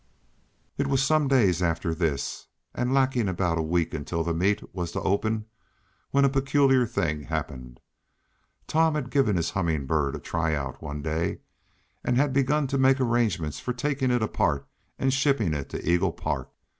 It was some days after this, and lacking about a week until the meet was to open, when a peculiar thing happened. Tom had given his Humming Bird a tryout one day, and had then begun to make arrangements for taking it apart and shipping it to Eagle Park.